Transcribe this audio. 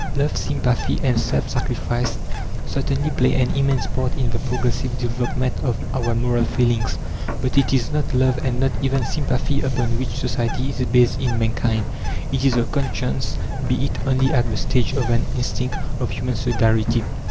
Love, sympathy and self sacrifice certainly play an immense part in the progressive development of our moral feelings. But it is not love and not even sympathy upon which Society is based in mankind. It is the conscience be it only at the stage of an instinct of human solidarity.